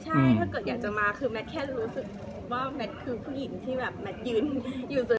ใช่ถ้าเกิดอยากจะมาคือแมทแค่รู้สึกว่าแมทคือผู้หญิงที่แบบแมทยืนจน